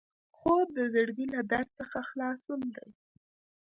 خوب د زړګي له درد څخه خلاصون دی